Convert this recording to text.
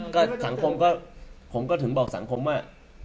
ก็สังคมก็ผมก็ถึงบอกสังคมว่า